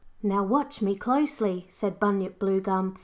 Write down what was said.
'Now watch me closely,' said Bunyip Bluegum.